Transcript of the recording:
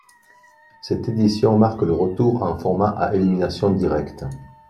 Cette édition marque le retour à un format à élimination directe.